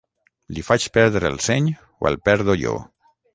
Li faig perdre el seny o el perdo jo.